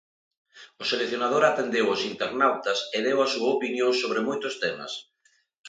O seleccionador atendeu os internautas e deu a súa opinión sobre moitos temas.